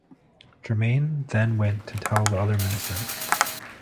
Germain then went to tell other ministers.